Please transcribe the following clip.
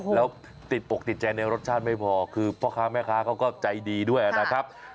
แล้วติดอกติดใจในรสชาติไม่พอคือพ่อค้าแม่ค้าเขาก็ใจดีด้วยนะครับ